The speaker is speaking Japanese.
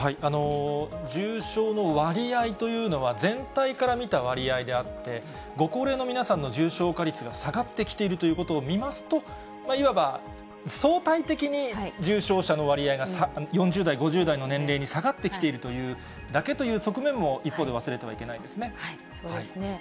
重症の割合というのは、全体から見た割合であって、ご高齢の皆さんの重症化率が下がってきているということを見ますと、いわば、相対的に重症者の割合が４０代、５０代の年齢に下がってきているというだけという側面も、一方でそうですね。